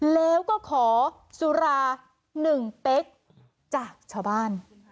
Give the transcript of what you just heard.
แล้วก็ขอสุรา๑เป๊กจากชาวบ้าน